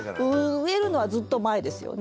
植えるのはずっと前ですよね。